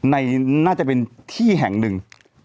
น่าจะเป็นที่แห่งหนึ่ง